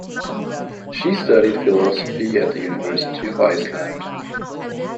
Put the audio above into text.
She studied philosophy at the University of Iceland.